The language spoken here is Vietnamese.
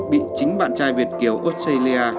bị chính bạn trai việt kiều australia